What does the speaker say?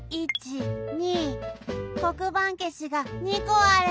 １２こくばんけしが２こある！